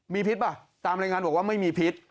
มีพิษป่ะตามรายงานบอกว่าไม่มีพิษ